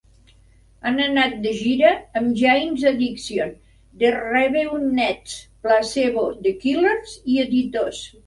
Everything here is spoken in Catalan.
Han anat de gira amb Jane's Addiction, The Raveonettes, Placebo, The Killers i Editors.